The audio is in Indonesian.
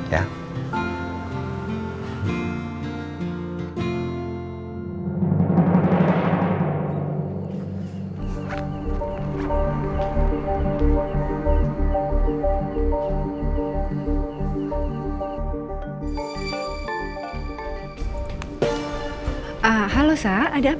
sampai kenapa ini aja